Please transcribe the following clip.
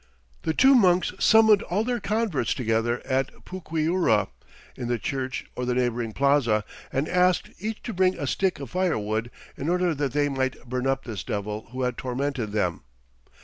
The two monks summoned all their converts to gather at Puquiura, in the church or the neighboring plaza, and asked each to bring a stick of firewood in order that they might burn up this Devil who had tormented them.